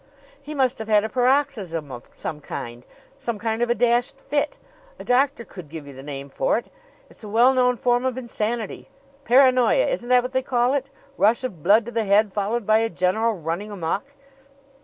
He must have had a paroxysm of some kind some kind of a dashed fit. A doctor could give you the name for it. It's a well known form of insanity. Paranoia isn't that what they call it? Rush of blood to the head, followed by a general running amuck.